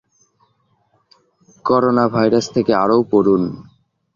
coronavirus থেকে আরও পড়ুন